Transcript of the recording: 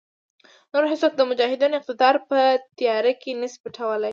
نور هېڅوک د مجاهدینو اقتدار په تیاره کې نشي پټولای.